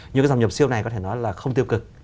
nhưng cái dòng nhập siêu này có thể nói là không tiêu cực